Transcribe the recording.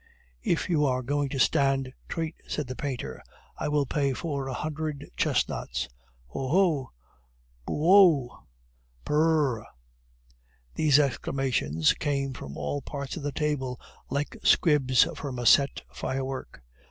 "If you are going to stand treat," said the painter, "I will pay for a hundred chestnuts." "Oh! oh!" "Booououh!" "Prrr!" These exclamations came from all parts of the table like squibs from a set firework.